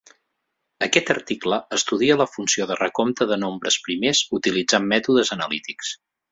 Aquest article estudia la funció de recompte de nombres primers utilitzant mètodes analítics.